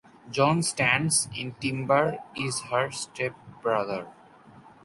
John Stands In Timber is her step brother.